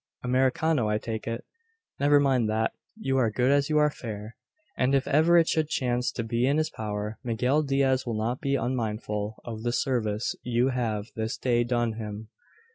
Americano, I take it. Never mind that. You are good as you are fair; and if ever it should chance to be in his power, Miguel Diaz will not be unmindful of the service you have this day done him."